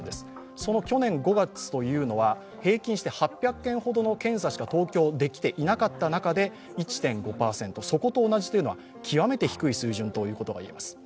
その去年５月というのは平均して８００件ほどの検査しか東京でできていなかった中で１．５％、そこと同じというのは極めて低い水準ということがいえます。